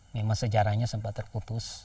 memang sejarahnya sempat terkubur